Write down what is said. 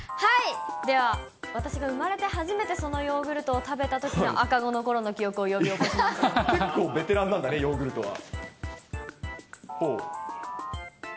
では、私が生まれて初めてそのヨーグルトを食べたときの赤子のころの記結構ベテランなんだね、ヨーグルトは。